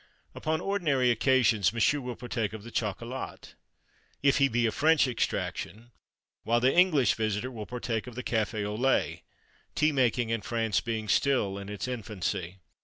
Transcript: Upon ordinary occasions, M'sieu will partake of the chocolat if he be of French extraction; whilst the English visitor will partake of the café au lait tea making in France being still in its infancy.